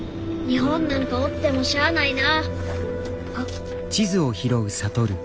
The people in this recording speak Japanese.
日本なんかおってもしゃあないな。